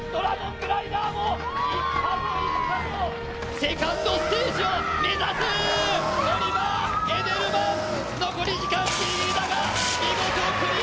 セカンドステージを目指すオリバー・エデルマン、残り時間、ギリギリだが見事クリア。